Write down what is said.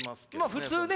普通ね